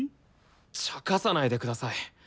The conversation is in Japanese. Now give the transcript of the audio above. ちゃかさないでください。